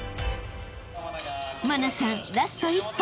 ［茉奈さんラスト１本。